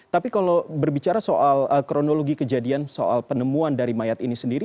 tapi kalau berbicara soal kronologi kejadian soal penemuan dari mayat ini sendiri